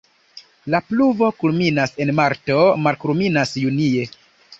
La pluvo kulminas en marto, malkulminas junie.